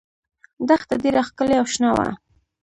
دښته ډېره ښکلې او شنه وه.